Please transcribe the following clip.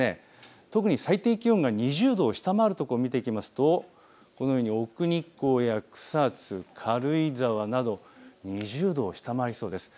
特に最低気温が２０度を下回る所を見ていきますと、このように奥日光や草津、軽井沢など２０度を下回りそうです。